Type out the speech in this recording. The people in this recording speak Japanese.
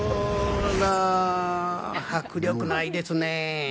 ほら、迫力ないですねぇ。